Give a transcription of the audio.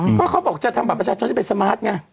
เพราะเขาบอกจะทำบัตรประชาชนที่เป็นสมาร์ทไง